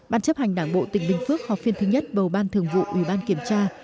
ban chấp hành đảng bộ tỉnh bình phước họp phiên thứ nhất bầu ban thường vụ ủy ban kiểm tra